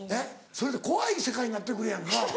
それって怖い世界になってくるやんか。